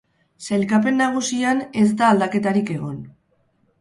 Sailkapen nagusian ez da aldaketarik egon.